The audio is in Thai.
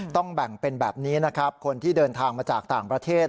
ต้องแบ่งเป็นแบบนี้นะครับคนที่เดินทางมาจากต่างประเทศ